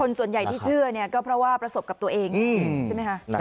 ส่วนใหญ่ที่เชื่อเนี่ยก็เพราะว่าประสบกับตัวเองใช่ไหมคะ